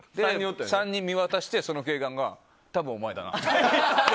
３人見渡して、その警官が多分、お前だなって。